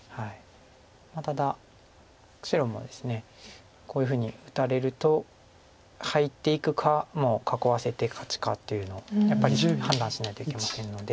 ただ白もですねこういうふうに打たれると入っていくかもう囲わせて勝ちかっていうのをやっぱり判断しないといけませんので。